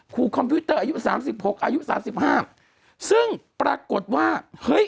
คอมพิวเตอร์อายุสามสิบหกอายุสามสิบห้าซึ่งปรากฏว่าเฮ้ย